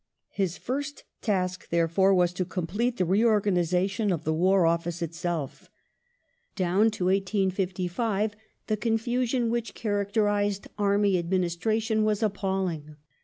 His first task, ^^^^ therefore, was to complete the reorganization of the War Office itself. Down to 1855 the confusion which characterized army administration was appalling.